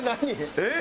えっ？